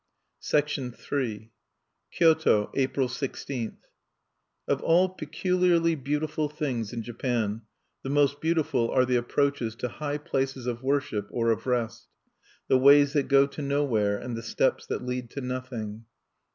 III Kyoto, April 16. Of all peculiarly beautiful things in Japan, the most beautiful are the approaches to high places of worship or of rest, the Ways that go to Nowhere and the Steps that lead to Nothing.